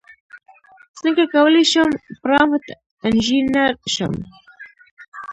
څنګه کولی شم پرامپټ انژینر شم